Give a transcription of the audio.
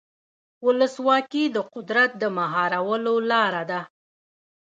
ولسواکي د قدرت د مهارولو لاره ده.